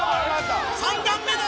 ３段目だ！